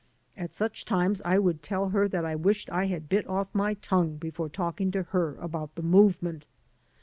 At such times I would tell her that I wished I had bit oflf my tongue before talking to her about the Movement.